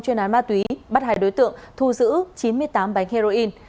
chuyên án ma túy bắt hai đối tượng thu giữ chín mươi tám bánh heroin